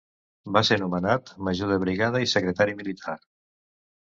Va ser nomenat major de brigada i secretari militar.